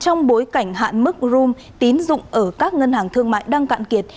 trong bối cảnh hạn mức room tín dụng ở các ngân hàng thương mại đang cạn kiệt